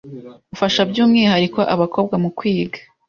ufasha by’umwihariko abakobwa, mu kwiga.